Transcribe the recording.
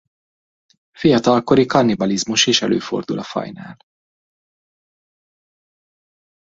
Fiatalkori kannibalizmus is előfordul a fajnál.